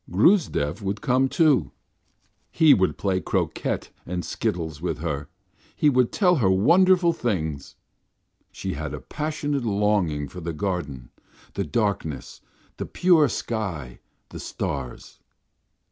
Gruzdev would come too. He would play croquet and skittles with her, and would tell her wonderful things. She had a passionate longing for the garden, the darkness, the pure sky, the stars.